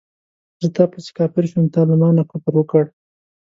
زه تا پسې کافر شوم تا له مانه کفر وکړ